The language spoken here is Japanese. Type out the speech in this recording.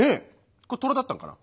これトラだったんかな？